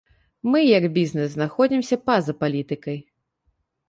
Мы, як бізнес, знаходзімся па-за палітыкай.